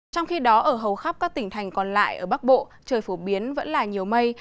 trong khi đó ở hầu khắp các tỉnh thành còn lại ở bắc bộ trời phổ biến vẫn là nhiều mây